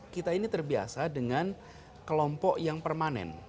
kita ini terbiasa dengan kelompok yang permanen